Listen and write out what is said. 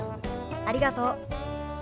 ありがとう。